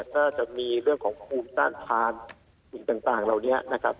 ก็จะมีเรื่องของภูมิต้านทานสิ่งต่างเหล่านี้นะครับ